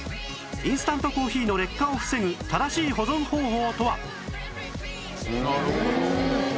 インスタントコーヒーの劣化を防ぐ正しい保存方法とは？